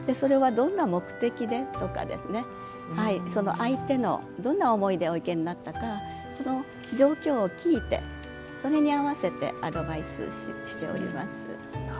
相手の、どんな思いでお生けになったかその状況を聞いてそれに合わせてアドバイスしております。